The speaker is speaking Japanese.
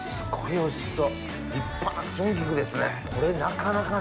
おいしそう！